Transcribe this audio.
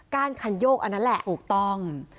้านคันโยกอันนั้นแหละถูกต้อง